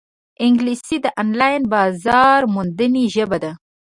انګلیسي د آنلاین بازارموندنې ژبه ده